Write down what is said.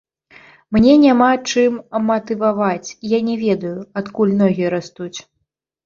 Мне няма чым матываваць, я не ведаю, адкуль ногі растуць.